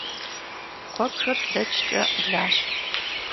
Куэбжэр лэчкӏэ лащ.